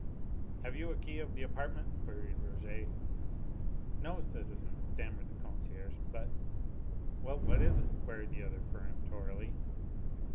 "Have you a key of the apartment?" queried Rouget. "No, citizen," stammered the concierge, "but " "Well, what is it?" queried the other peremptorily.